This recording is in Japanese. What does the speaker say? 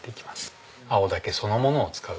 青竹そのものを使う。